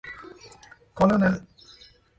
Colonel.